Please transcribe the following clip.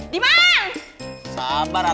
terkana tersang instagram